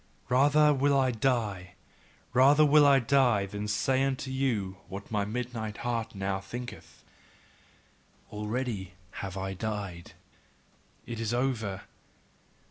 Rather will I die, rather will I die, than say unto you what my midnight heart now thinketh. Already have I died. It is all over.